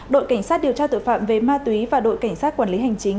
đội cảnh sát điều tra tội phạm về ma túy và đội cảnh sát quản lý hành chính